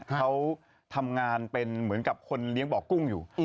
เขาทำงานเป็นเหมือนกับคนเลี้ยงบ่อกุ้งอยู่